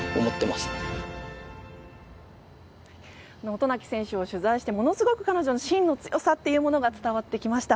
渡名喜選手を取材してものすごく彼女の芯の強さが伝わってきました。